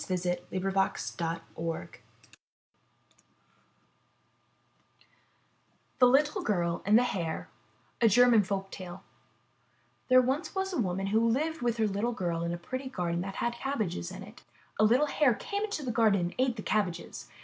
240 IN THE NURSERY THE LITTLE GIRL AND THE HARE A German Folk Tale There was once a woman who lived with her little girl in a pretty garden that had cabbages in it. A little Hare came into the garden and ate the cab bages.